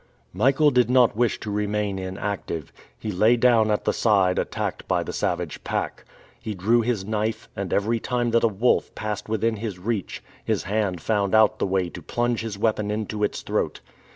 Michael did not wish to remain inactive. He lay down at the side attacked by the savage pack. He drew his knife, and every time that a wolf passed within his reach, his hand found out the way to plunge his weapon into its throat.